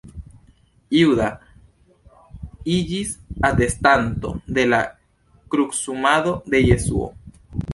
Juda iĝis atestanto de la krucumado de Jesuo.